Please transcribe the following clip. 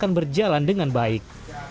akan berjalan dengan baik